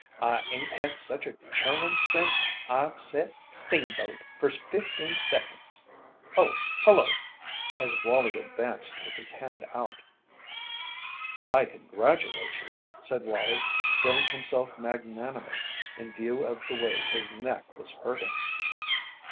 I ain't had such a churnin' sence I set 'Steamboat' fer fifteen seconds. Oh, hullo " as Wallie advanced with his hand out. "I congratulate you," said Wallie, feeling himself magnanimous in view of the way his neck was hurting.